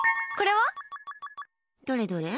どれどれ？